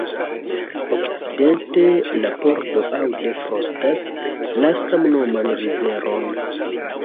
Okcidente, la pordo Aude frontas la samnoman riveron.